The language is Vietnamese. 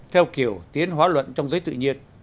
theo kiểu tiến hóa luận trong giới tự nhiên